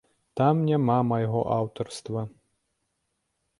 Там няма майго аўтарства.